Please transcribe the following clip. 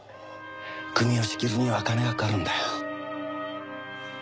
組を仕切るには金がかかるんだよ。